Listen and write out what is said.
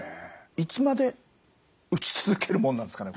いつまで打ち続けるものなんですかね。